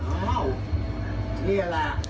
อ้าวนี่แหละ